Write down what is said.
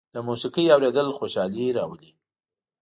د موسيقۍ اورېدل خوشالي راولي.